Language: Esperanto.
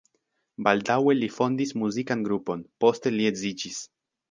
Baldaŭe li fondis muzikan grupon, poste li edziĝis.